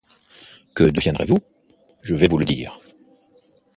Que deviendrez-vous ? Je vais vous le dire.